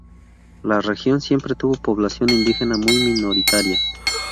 La región siempre tuvo población indígena muy minoritaria.